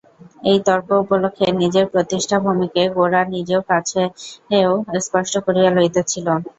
এই তর্ক উপলক্ষে নিজের প্রতিষ্ঠাভূমিকে গোরা নিজের কাছেও স্পষ্ট করিয়া লইতেছিল।